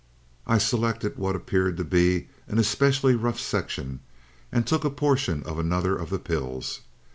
"I selected what appeared to be an especially rough section, and took a portion of another of the pills.